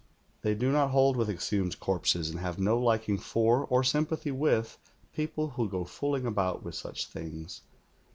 They do not hold with exhumed corpses, and have no liking for or sympathy with people who go fooling about with such things.